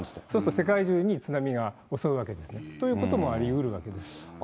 そうすると世界中に津波が襲うわけですね。ということもありうるわけです。